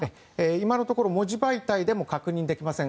今のところ文字媒体でも確認できません。